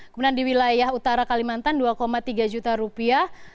kemudian di wilayah utara kalimantan dua tiga juta rupiah